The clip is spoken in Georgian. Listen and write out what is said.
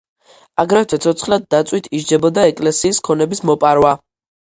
აგრეთვე ცოცხლად დაწვით ისჯებოდა ეკლესიის ქონების მოპარვა.